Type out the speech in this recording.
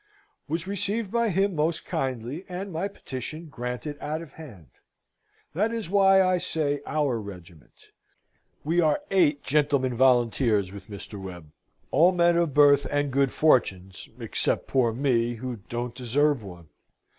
Was received by him most kindly, and my petition granted out of hand. That is why I say our regiment. We are eight gentlemen volunteers with Mr. Webb, all men of birth, and good fortunes except poor me, who don't deserve one.